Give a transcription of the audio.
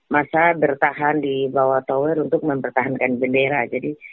masa bertahan di bawah tower untuk mempertahankan bendera jadi